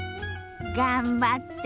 頑張って！